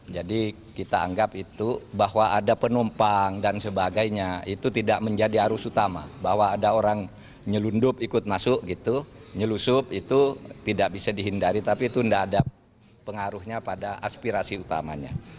jadi kita anggap itu bahwa ada penumpang dan sebagainya itu tidak menjadi arus utama bahwa ada orang nyelundup ikut masuk gitu nyelusup itu tidak bisa dihindari tapi itu tidak ada pengaruhnya pada aspirasi utamanya